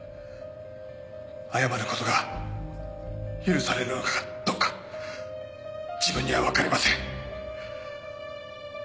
謝ることが許されるのかどうか自分にはわかりません！